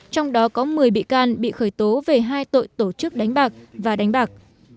trong đó có một mươi bị can bị khởi tố về hai tội tổ chức đánh bạc và đánh bạc